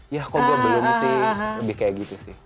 ya kok gue belum sih lebih kayak gitu sih